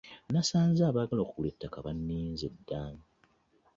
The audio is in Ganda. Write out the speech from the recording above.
Nasanze abaagala okugula ettaka bannize dda.